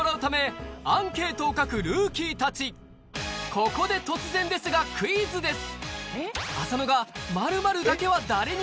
ここで突然ですがクイズです